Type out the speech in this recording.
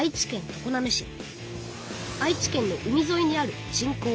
愛知県の海ぞいにある人口